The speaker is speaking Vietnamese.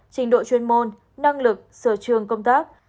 trình độ chuyên môn năng lực sở trường công tác